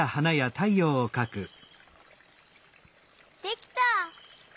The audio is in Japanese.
できた！